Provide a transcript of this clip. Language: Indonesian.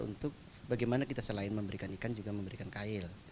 untuk bagaimana kita selain memberikan ikan juga memberikan kail